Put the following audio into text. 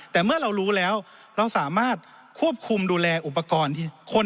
แต่เมื่อเรารู้แล้วเราสามารถควบคุมดูแลอุปกรณ์ที่คน